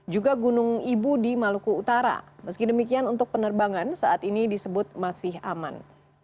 juga gunung ibu di maluku utara meski demikian untuk penerbangan saat ini disebut masih aman